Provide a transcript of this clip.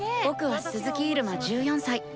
僕は鈴木入間１４歳。